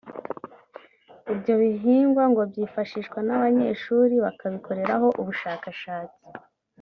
Ibyo bihingwa ngo byifashishwa n’abanyeshuri bakabikoreraho ubushakashatsi